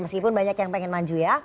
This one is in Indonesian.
meskipun banyak yang pengen maju ya